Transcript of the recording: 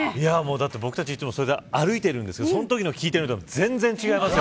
だって僕たちそれで歩いているんですからそのとき聞いてるのとは全然違います。